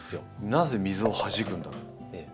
なぜ水をはじくんだろう。